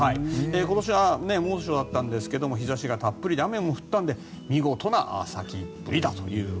今年は猛暑だったんですが日差しがたっぷりで雨も降ったので見事な咲きっぷりだと。